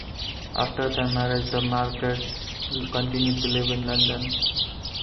After their marriage, the Marcets continued to live in London.